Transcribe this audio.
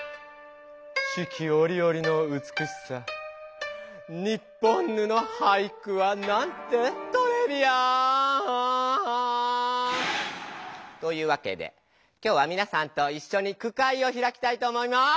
四季おりおりのうつくしさニッポンヌの俳句はなんてトレビアーン！というわけで今日はみなさんといっしょに句会をひらきたいと思います。